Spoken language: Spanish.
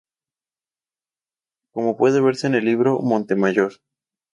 Como puede verse en el libro "Montemayor.